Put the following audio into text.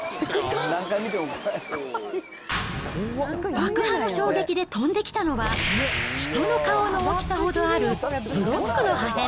爆破の衝撃で飛んできたのは、人の顔の大きさほどあるブロックの破片。